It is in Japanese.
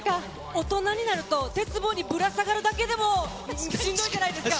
大人になると鉄棒にぶら下がるだけでもしんどいじゃないですか。